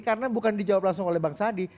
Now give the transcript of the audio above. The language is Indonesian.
karena bukan dijawab langsung oleh bang sandi